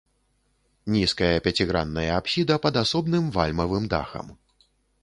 Нізкая пяцігранная апсіда пад асобным вальмавым дахам.